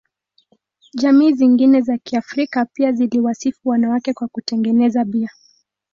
Jamii zingine za Kiafrika pia ziliwasifu wanawake kwa kutengeneza bia.